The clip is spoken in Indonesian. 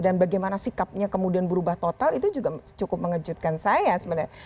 dan bagaimana sikapnya kemudian berubah total itu juga cukup mengejutkan saya sebenarnya